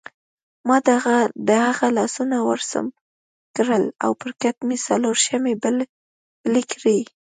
ما د هغه لاسونه ورسم کړل او پر کټ مې څلور شمعې بلې کړې.